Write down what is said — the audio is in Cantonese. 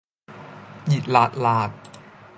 熱辣辣